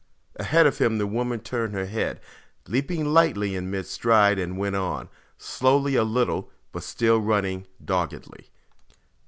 Ahead of him the woman turned her head, leaped lightly in mid stride, and went on; slowing a little but still running doggedly.